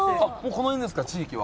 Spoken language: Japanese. この辺ですか地域は。